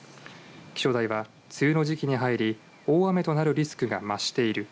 気象台は、梅雨の時期に入り大雨となるリスクが増している。